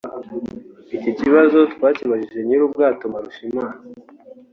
Iki kibazo twakibajije nyir’ubwato Mbarushimana